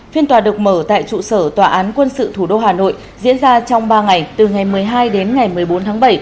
phiên tòa được mở tại trụ sở tòa án quân sự thủ đô hà nội diễn ra trong ba ngày từ ngày một mươi hai đến ngày một mươi bốn tháng bảy